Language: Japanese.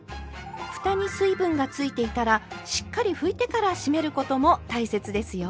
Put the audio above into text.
ふたに水分がついていたらしっかり拭いてから閉めることも大切ですよ。